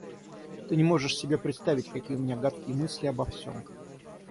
Ты не можешь себе представить, какие у меня гадкие мысли обо всем.